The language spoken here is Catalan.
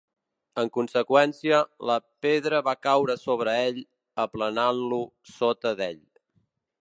En conseqüència, la pedra va caure sobre ell, aplanant-lo sota d'ell.